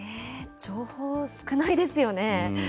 情報少ないですよね。